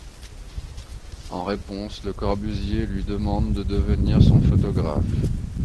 En réponse, Le Corbusier lui demande de devenir son photographe.